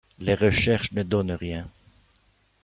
Les recherches ne donnent rien.